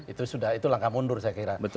itu sudah itu langkah mundur saya kira